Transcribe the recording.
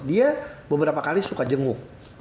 dia beberapa kali suka jenguk